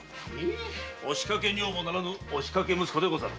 “押しかけ女房”ならぬ“押しかけ息子”でござる。